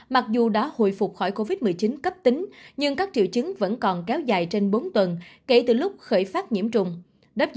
mặc dù đã hồi phục khỏi covid một mươi chín cấp tính nhưng các triệu chứng vẫn còn kéo dài trên bốn tuần kể từ lúc khởi phát nhiễm trùng